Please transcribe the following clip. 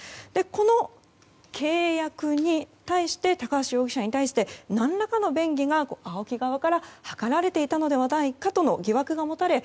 この契約に対して高橋容疑者にたいして何らかの便宜がＡＯＫＩ側から図られていたのではないかとの疑惑がもたれ